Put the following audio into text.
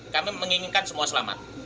kami menginginkan semua selamat